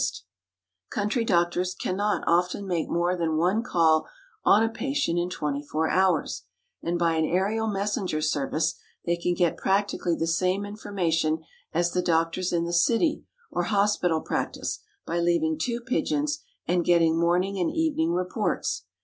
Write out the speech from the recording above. Then, again, country doctors cannot often make more than one call on a patient in twenty four hours, and by an aerial messenger service they can get practically the same information as the doctors in the city or hospital practice by leaving two pigeons and getting morning and evening reports.